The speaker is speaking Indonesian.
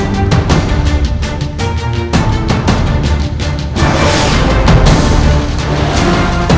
masuklah ke dalam tubuh